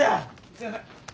すみません！